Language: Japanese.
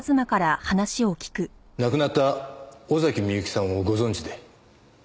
亡くなった尾崎美由紀さんをご存じで？